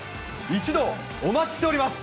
一同、お待ちしております。